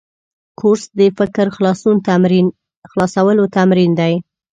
کورس د فکر خلاصولو تمرین دی.